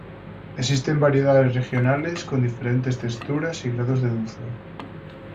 Existen variedades regionales, con diferentes texturas y grados de dulzor.